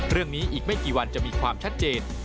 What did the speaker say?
เรื่องนี้อีกไม่กี่วันจะมีความชัดเจน